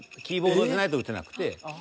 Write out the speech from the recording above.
キーボードじゃないと打てなくて。